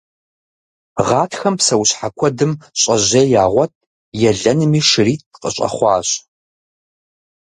Гъатхэм псэущхьэ куэдым щӀэжьей ягъуэт, елэнми шыритӀ къыщӀэхъуащ.